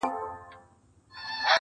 سره لمبه به دا ښارونه دا وطن وي؛